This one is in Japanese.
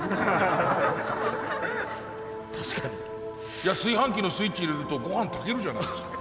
いや炊飯器のスイッチ入れると御飯炊けるじゃないですか。